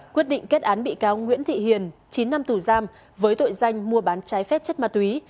quyết định kết án bị cáo nguyễn thị hiền chín năm tù giam với tội danh mua bán trái phép chất ma túy